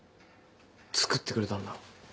作ってくれたんだ。